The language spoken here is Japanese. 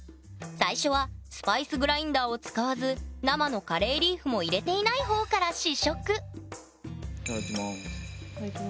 最初はスパイスグラインダーを使わず生のカレーリーフも入れていない方から試食いただきます。